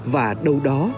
và đâu đó